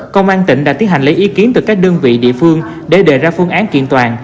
công an tỉnh đã tiến hành lấy ý kiến từ các đơn vị địa phương để đề ra phương án kiện toàn